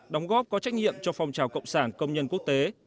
đóng góp có trách nhiệm cho phong trào cộng sản công nhân quốc tế